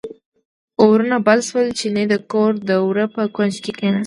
اورونه بل شول، چیني د کور د وره په کونج کې کیناست.